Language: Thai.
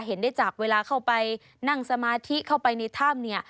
เห็นได้จากเวลาเข้าไปนั่งสมาธิเข้าไปในถ้ำเนี่ย